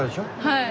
はい。